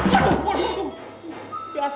tangan gua udah